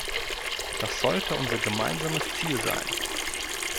Das sollte unser gemeinsames Ziel sein.